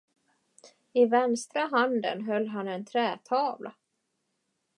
I vänstra handen höll han en trätavla.